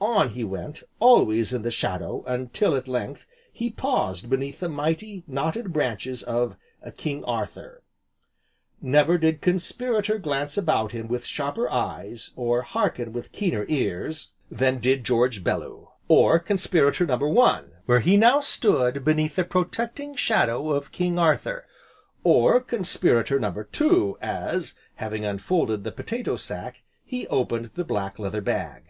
On he went, always in the shadow until, at length, he paused beneath the mighty, knotted branches of "King Arthur." Never did conspirator glance about him with sharper eyes, or hearken with keener ears, than did George Bellew, or Conspirator No. One, where he now stood beneath the protecting shadow of "King Arthur," or Conspirator No. Two, as, having unfolded the potato sack, he opened the black leather bag.